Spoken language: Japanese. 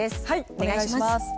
お願いします。